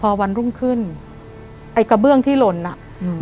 พอวันรุ่งขึ้นไอ้กระเบื้องที่หล่นอ่ะอืม